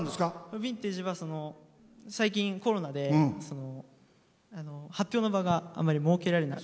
「ビンテージ」は最近、コロナで発表の場が、あまり設けられない